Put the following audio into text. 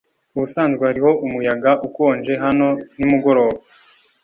Ubusanzwe hariho umuyaga ukonje hano nimugoroba.